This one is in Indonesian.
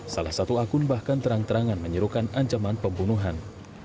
salah satu akun bahkan terang terangan menyerukan ancaman pembunuhan